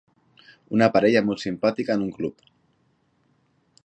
Una parella molt simpàtica en un club